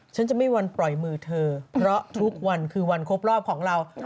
ฉันจะไม่วันปล่อยมือเธอเพราะทุกวันคือวันครบรอบของเรา